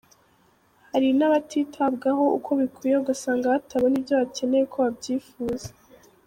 Hari n’abatitabwaho uko bikwiye ugasanga batabona ibyo bakeneye uko babyifuza.